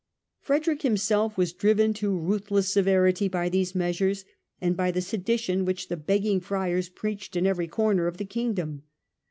Frederick himself was driven to ruthless severity by these measures, and by the sedition which the begging friars preached in every corner of the Kingdom.